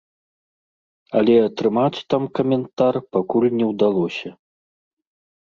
Але атрымаць там каментар пакуль не ўдалося.